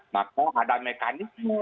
maka ada mekanisme